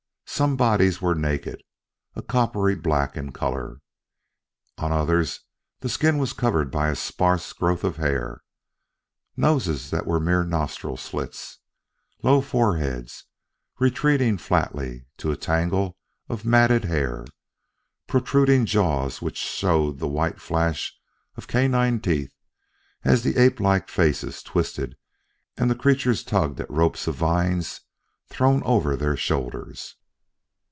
Some bodies were naked, a coppery black in color; on others the skin was covered by a sparse growth of hair. Noses that were mere nostril slits; low foreheads, retreating flatly to a tangle of matted hair; protruding jaws which showed the white flash of canine teeth as the ape like faces twisted and the creatures tugged at ropes of vines thrown over their shoulders.